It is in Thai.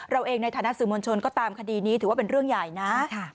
เราเองในฐานะสื่อมวลชนก็ตามคดีนี้ถือว่าเป็นเรื่องใหญ่นะ